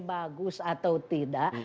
bagus atau tidak